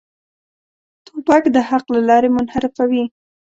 توپک د حق له لارې منحرفوي.